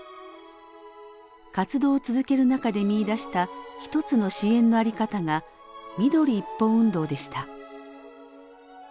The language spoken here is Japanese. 活動を続ける中で見いだした一つの支援の在り方が「みどり一本運動」でした。